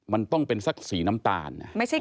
มันต้องเป็นสักสีน้ำตาล